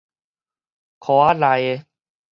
箍仔內的